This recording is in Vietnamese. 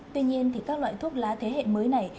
tuy nhiên các loại thuốc lá thế hệ mới này